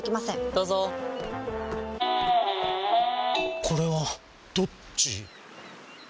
どうぞこれはどっち？